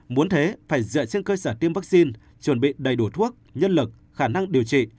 muốn thế phải dựa trên cơ sở tiêm vaccine chuẩn bị đầy đủ thuốc nhân lực khả năng điều trị